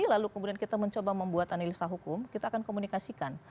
lalu kemudian kita mencoba membuat analisa hukum kita akan komunikasikan